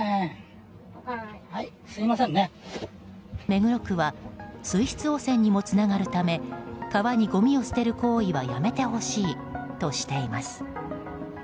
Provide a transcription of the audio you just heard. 目黒区は水質汚染にもつながるため川にごみを捨てる行為はやめてほしいとしています。